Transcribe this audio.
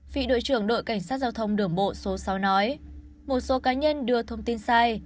vị đội trưởng đội cảnh sát giao thông đường bộ số sáu nói một số cá nhân đưa thông tin sai